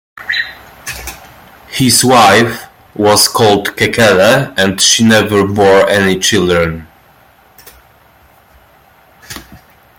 His wife was called Kekele and she never bore any children.